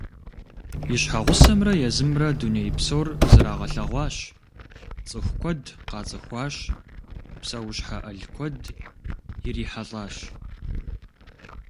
И щхьэгъусэмрэ езымрэ дуней псор зрагъэлъэгъуащ, цӏыху куэд къацӏыхуащ, псэущхьэ ӏэл куэд ирихьэлӏащ.